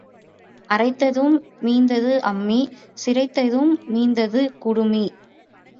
அரைத்ததும் மீந்தது அம்மி சிரைத்ததும் மீந்தது குடுமி.